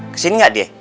kesini gak dia